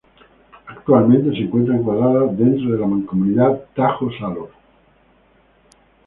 Actualmente, se encuentra encuadrada dentro de la Mancomunidad Tajo-Salor.